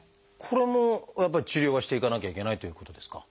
これもやっぱり治療はしていかなきゃいけないということですか？